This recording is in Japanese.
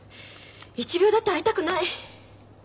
一秒だって会いたくない。